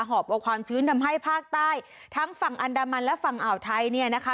อบเอาความชื้นทำให้ภาคใต้ทั้งฝั่งอันดามันและฝั่งอ่าวไทยเนี่ยนะคะ